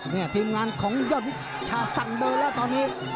นี่ทีมงานของยอดวิชาสั่งเดินแล้วตอนนี้